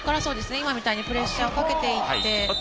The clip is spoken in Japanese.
今みたいにプレッシャーをかけていって。